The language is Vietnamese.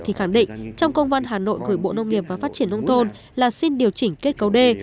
thì khẳng định trong công văn hà nội gửi bộ nông nghiệp và phát triển nông thôn là xin điều chỉnh kết cấu d